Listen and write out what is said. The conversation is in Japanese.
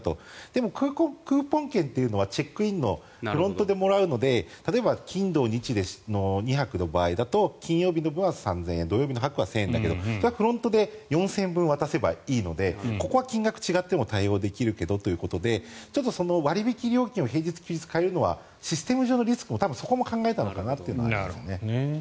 でもクーポン券というのはチェックインのフロントでもらうので例えば、金土日の２泊の場合だと金曜日の分は３０００円土曜日は１０００円だけどフロントで４０００円分渡せばいいのでここは金額が違っても対応できるけどということで割引料金を平日、休日で変えるのはシステム上のリスクもそこを考えたのかなというのがあります。